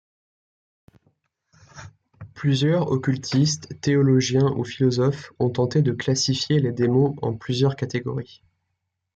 Plusieurs occultiste, théologiens ou philosophes ont tenté de classifier les démons en plusieurs catégories.